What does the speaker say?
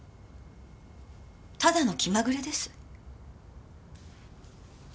ただの気まぐれです。